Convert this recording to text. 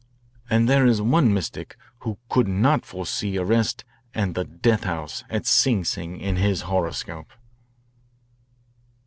And there is one mystic who could not foresee arrest and the death house at Sing Sing in his horoscope."